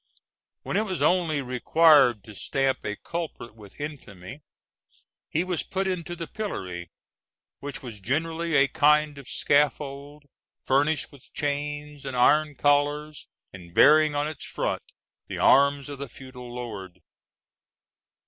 When it was only required to stamp a culprit with infamy he was put into the pillory, which was generally a kind of scaffold furnished with chains and iron collars, and bearing on its front the arms of the feudal lord.